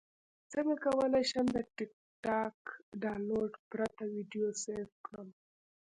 څنګه کولی شم د ټکټاک ډاونلوډ پرته ویډیو سیف کړم